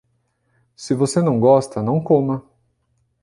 Se você não gosta, não coma.